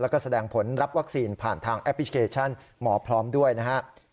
แล้วก็แสดงผลรับวัคซีนผ่านทางแอปพลิเคชันหมอพร้อมด้วยนะฮะ